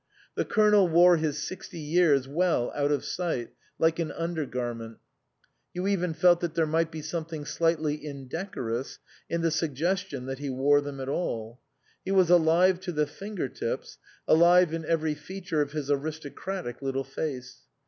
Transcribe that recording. The Colonel wore his sixty years well out of sight, like an under garment ; you even felt that there might be something slightly indecorous in the suggestion that he wore them at all. He was alive to the finger tips, alive in every feature of his aristo cratic little face.